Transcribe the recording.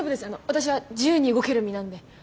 私は自由に動ける身なんで。